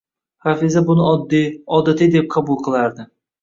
Hafiza buni oddiy, odatiy deb qabul qilardi